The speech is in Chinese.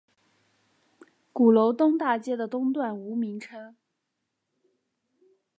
鼓楼东大街的东段无名称。